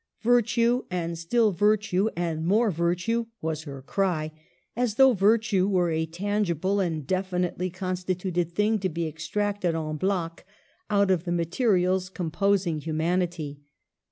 " Virtue " and still "virtue" and more "virtue" was her cry, as though " virtue " were a tangible and definitely constituted thing to be extracted en bloc out of the materials composing humanity.